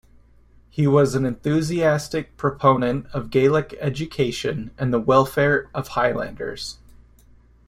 He was an enthusiastic proponent of Gaelic education and the welfare of Highlanders.